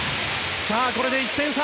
これで１点差。